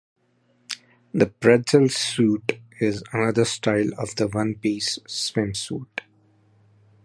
The pretzel suit is another style of the one-piece swimsuit.